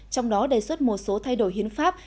trong đó đề xuất một số thay đổi hiến pháp